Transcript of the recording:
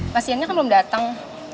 mas siannya kan belum datang